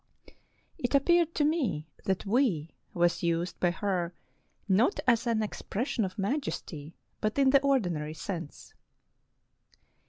It appeared to me that " we" was used by her not as an expression of majesty, but in the ordinary sense.